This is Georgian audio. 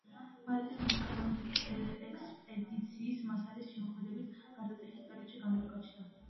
ბალეტის მუსიკა დონის ექსპედიციის მასალის შემოქმედებითი გარდატეხის პერიოდში გაჩნდა.